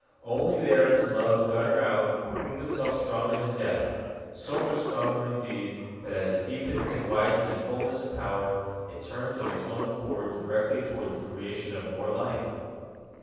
Only there can love gutter out or prove itself stronger than death so much stronger indeed, that, as it deepens and widens in fullness and power, it turns of its own accord directly toward the creation of more life.